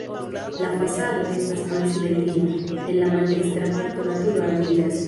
La fasado estas malsimetria, en la maldekstra parto la turo altiĝas.